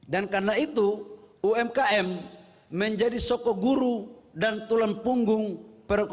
dan karena itu umkm menjadi sokoguru dan tulang punggung perusahaan